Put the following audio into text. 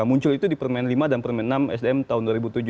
muncul itu di permain lima dan permain enam sdm tahun dua ribu tujuh